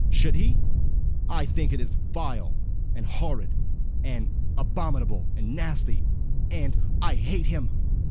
Should he? I think it is vile, and horrid, and abominable, and nasty, and I hate him."